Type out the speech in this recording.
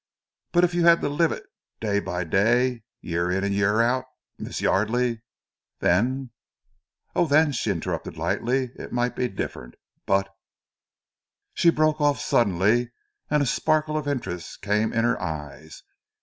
"But if you had to live it day by day, year in and year out, Miss Yardely, then " "Oh then," she interrupted lightly, "it might be different. But " She broke off suddenly and a sparkle of interest came in her eyes.